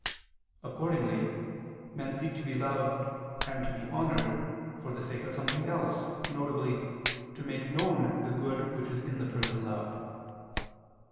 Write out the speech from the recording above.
Accordingly men seek to be loved and to be honored, for the sake of something else, viz. to make known the good which is in the person loved.